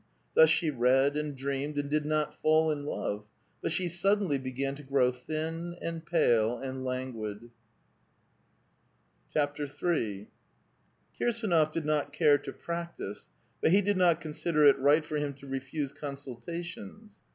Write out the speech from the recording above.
Thus she read and dreamed, and did not fall in love ; but she sud denly began to grow thin, and pale, and languid. III. KiRSANOF did not care to practise, but he did not consider it risrht for him to refuse consultations.